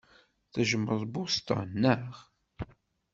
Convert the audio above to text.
Tejjmeḍ Boston, naɣ?